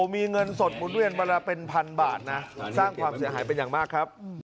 มีเงินสดหมุนเวียนวันละเป็นพันบาทนะสร้างความเสียหายเป็นอย่างมากครับ